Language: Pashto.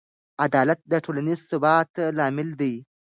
عدالت د ټولنیز ثبات لامل دی.